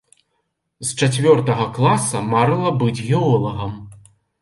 З чацвёртага класа марыла быць геолагам.